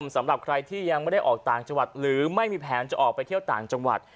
สำหรับใครที่ยังไม่ได้ออกต่างจังหวัดหรือไม่มีแผนจะออกไปเที่ยวต่างจังหวัด